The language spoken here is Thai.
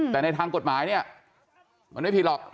แต่ในทางกฎหมายเนี่ยมันไม่ผิดหรอก